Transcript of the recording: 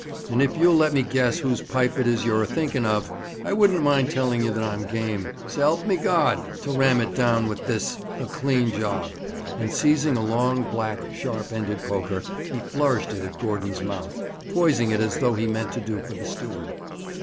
'And if you'll let me guess whose pipe it is you're a thinking of, I wouldn't mind telling you that I'm game s'elp me God! to ram it down with this a clean job!' And seizing a long, black, sharp ended poker, he flourished it at Gordon's mouth, poising it as though he meant to do for the steward.